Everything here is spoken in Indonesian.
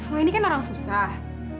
oh ini kan orang susah